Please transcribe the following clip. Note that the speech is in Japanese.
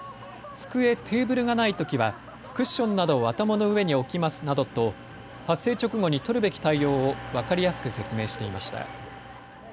机、テーブルがないときはクッションなどを頭の上に置きますなどと発生直後に取るべき対応を分かりやすく説明していました。